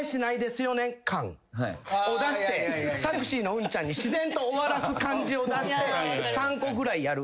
タクシーの運ちゃんに自然と終わらす感じを出して３個ぐらいやる。